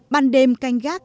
bàn đêm canh gác